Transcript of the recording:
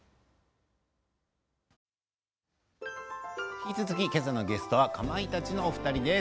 引き続き、今朝のゲストはかまいたちのお二人です。